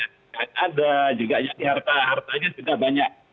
harta hartanya juga banyak